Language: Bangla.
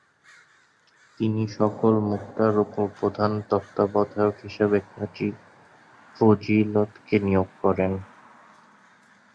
তিনি সকল মুক্তার ওপর প্রধান তত্ত্বাবধায়ক হিসেবে কাজী ফজীলতকে নিয়োগ করেন।